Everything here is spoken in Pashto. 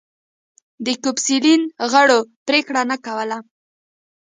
د ګوسپلین غړو پرېکړه نه کوله